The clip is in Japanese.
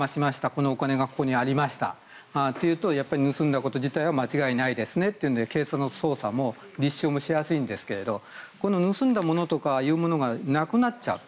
このお金がここにありましたというとやっぱり盗んだこと自体は間違いないですねと警察の捜査も立証もしやすいんですけどこの盗んだものとかってものがなくなっちゃう。